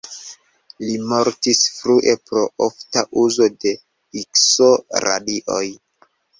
Li mortis frue pro ofta uzo de Ikso-radioj.